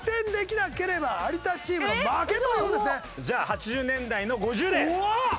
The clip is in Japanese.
じゃあ８０年代の５０で。